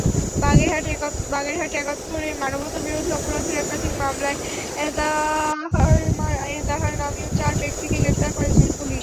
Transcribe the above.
বাগেরহাটে একাত্তরে মানবতাবিরোধী অপরাধের একাধিক মামলায় এজাহারনামীয় চার ব্যক্তিকে গ্রেপ্তার করেছে পুলিশ।